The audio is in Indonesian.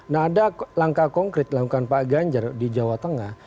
nah ada langkah konkret dilakukan pak ganjar di jawa tengah